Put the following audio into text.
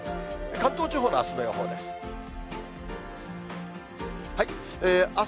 関東地方のあすの予想です。